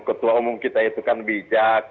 ketua umum kita itu kan bijak